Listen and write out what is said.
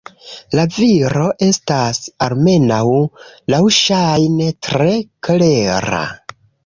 La viro estas, almenaŭ laŭŝajne, tre klera.